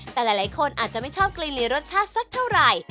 แต่หลายคนอาจจะไม่ชอบกลิ่นหลีรสชาติสักเท่าไหร่